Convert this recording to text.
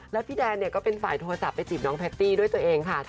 แล้วพี่แดนก็เป็นฝ่ายโทรศัพท์ไปจีบน้องแพตตี้ด้วยตัวเองค่ะ